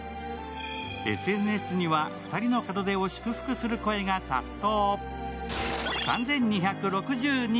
ＳＮＳには２人の門出を祝福する声が殺到。